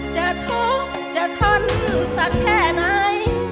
จะทุกข์จะทนสักแค่ไหน